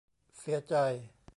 เสียใจ